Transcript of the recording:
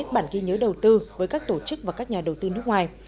bản ghi nhớ đầu tư với các tổ chức và các nhà đầu tư nước ngoài